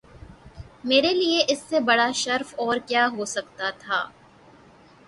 میرے لیے اس سے بڑا شرف اور کیا ہو سکتا تھا